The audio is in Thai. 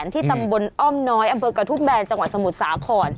ที่ตำบลอ้อมน้อยอเบิกกระทุ่มแบรนด์จังหวัดสมุทรสาขอน